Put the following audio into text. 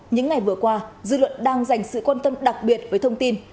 những ngày vừa qua dư luận đang dành sự quan tâm đặc biệt với thông tin